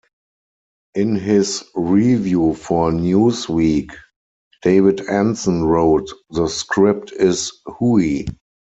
In his review for "Newsweek", David Ansen wrote, "the script is hooey.